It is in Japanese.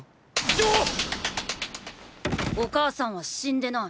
どっ⁉お母さんは死んでない。